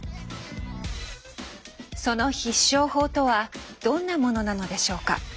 その必勝法とはどんなものなのでしょうか。